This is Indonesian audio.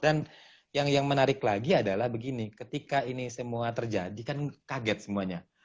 dan yang menarik lagi adalah begini ketika ini semua terjadi kan kaget semuanya